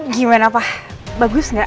gimana pak bagus banget ya